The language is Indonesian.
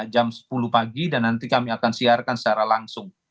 jam sepuluh pagi dan nanti kami akan siarkan secara langsung